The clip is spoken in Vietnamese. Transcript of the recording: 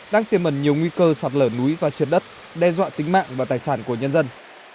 đang tiềm ẩn nhiều nguy cơ sạt lở núi và trượt đất đe dọa tính mạng và tài sản của nhân dân